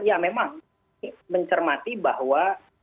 ya memang mencermati bahwa